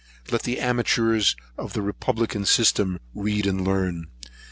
Let the amateurs of the Republican system read and learn.